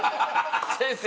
先生。